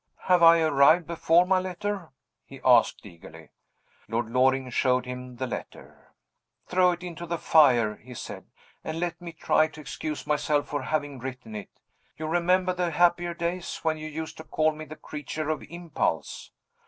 "Have I arrived before my letter?" he asked eagerly. Lord Loring showed him the letter. "Throw it into the fire," he said, "and let me try to excuse myself for having written it. You remember the happier days when you used to call me the creature of impulse?